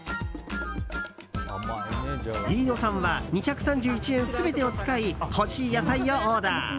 飯尾さんは２３１円全てを使い欲しい野菜をオーダー。